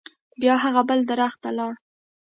بیا هغه بل درخت ته لاړ.